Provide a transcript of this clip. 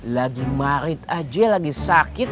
lagi marit aja lagi sakit